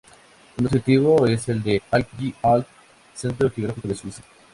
Un objetivo es el Älggi-Alp centro geográfico de Suiza.